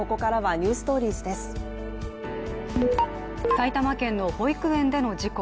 埼玉県の保育園での事故。